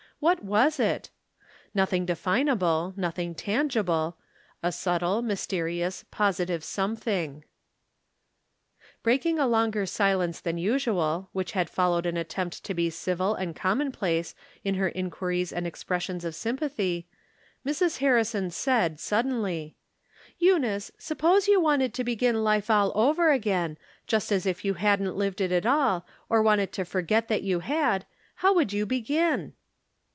What was it ? Xothing definable, nothing tangible — a subtle, mysterious, positive something. T'rom Different Standpoints. 833 Breaking a longer pause than usual, whicli had followed an attempt to be civil and commonplace in her inquiries and expressions of sympathy, Mrs. Harrison said, suddenly :" Eunice, suppose you wanted to begin life all over again — ^just as if you hadn't lived it at all, or wanted to forget that you had — ^hpw would you begin